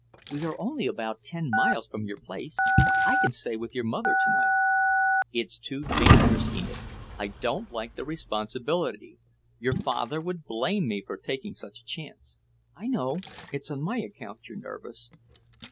"We are only about ten miles from your place. I can stay with your mother tonight." "It's too dangerous, Enid. I don't like the responsibility. Your father would blame me for taking such a chance." "I know, it's on my account you're nervous."